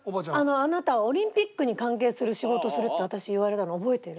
「あなたはオリンピックに関係する仕事をする」って私言われたの覚えてる？